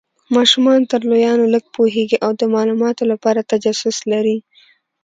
ماشومان تر لویانو لږ پوهیږي او د مالوماتو لپاره تجسس لري.